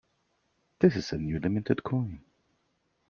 This is a newly minted coin.